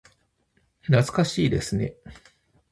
懐かしいですね。